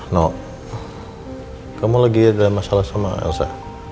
nok kamu lagi ada masalah sama elsa